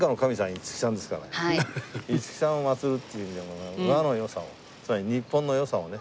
五木さんを祭るっていう意味でも和の良さをつまり日本の良さをね